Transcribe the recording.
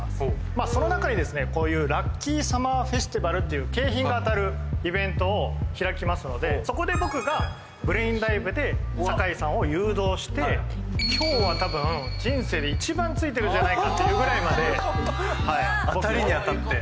まあその中にですねこういう「ラッキーサマーフェスティバル」っていう景品が当たるイベントを開きますのでそこで僕がブレインダイブで酒井さんを誘導して今日はたぶん人生で一番ついてるんじゃないかっていうぐらいまで当たりに当たって